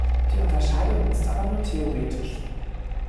Die Unterscheidung ist aber nur theoretisch.